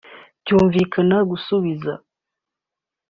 cyumvikana gusubiza